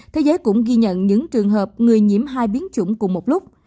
thế giới cũng ghi nhận những trường hợp người nhiễm hai biến chủng cùng một lúc